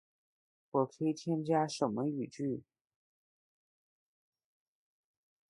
我可以添加什么语句？